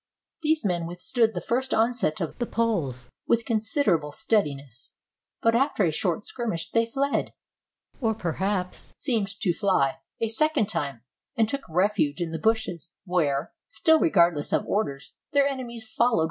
These men withstood the first onset of the Pole's with considerable steadiness; but after a short skirmish they fled, or, perhaps, seemed to fly, a second time, and took refuge in the bushes, where, still regardless of orders, their enemies followed.